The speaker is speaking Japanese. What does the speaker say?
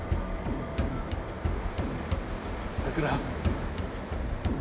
さくら。